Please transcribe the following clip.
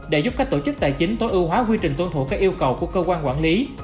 để giúp các tổ chức tài chính tối ưu hóa quy trình tuân thủ các yêu cầu của cơ quan quản lý